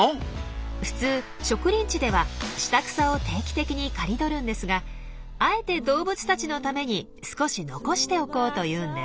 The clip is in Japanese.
普通植林地では下草を定期的に刈り取るんですがあえて動物たちのために少し残しておこうというんです。